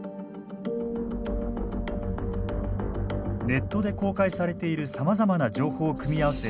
ネットで公開されているさまざまな情報を組み合わせ